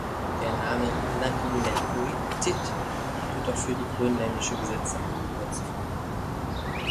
Der Name "Nalunaerutit" wird auch für die grönländische Gesetzessammlung benutzt.